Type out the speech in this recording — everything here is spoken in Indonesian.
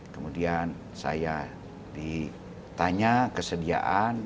kemudian saya ditanya kesediaan